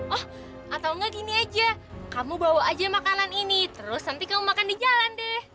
oh atau enggak gini aja kamu bawa aja makanan ini terus nanti kamu makan di jalan deh